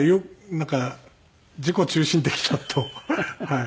なんか自己中心的だとはい。